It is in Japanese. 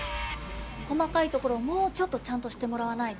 細かいところもうちょっとちゃんとしてもらわないと。